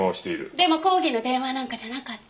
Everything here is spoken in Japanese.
でも抗議の電話なんかじゃなかった。